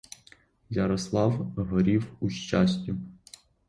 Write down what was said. Ярослав горів у щастю.